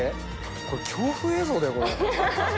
これ、恐怖映像だよ、これ。